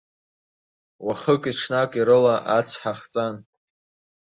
Уахыки-ҽнаки рыла ацҳа хҵан.